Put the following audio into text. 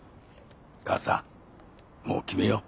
母さんもう決めよう。